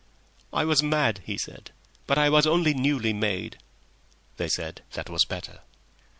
"I was mad," he said. "But I was only newly made." They said that was better.